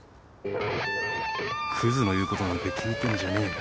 クズの言うことなんて聞いてんじゃねえよ。